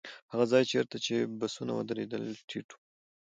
هغه ځای چېرته چې بسونه ودرېدل ټيټ و.